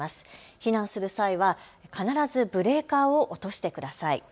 避難する際は必ずブレーカーを落としてください。